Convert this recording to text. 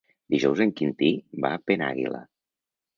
Dijous en Quintí va a Penàguila.